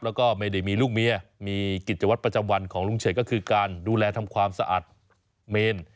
แล้วก็ไม่ได้มีลูกเมียมีกิจวัตรประจำวันของลุงเฉกก็คือการดูแลทำความสะอาดเมน